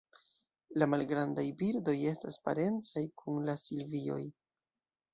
La malgrandaj birdoj estas parencaj kun la Silvioj.